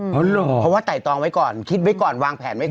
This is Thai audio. เพราะว่าไต่ตองไว้ก่อนคิดไว้ก่อนวางแผนไว้ก่อน